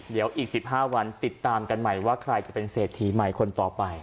เดี๋ยวอีก๑๕วันติดตามกันใหม่ว่าใครจะเป็นเศรษฐีใหม่คนต่อไป